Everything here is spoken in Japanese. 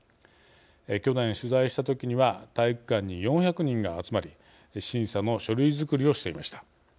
去年、取材した時には体育館に４００人が集まり審査の書類作りをしていました。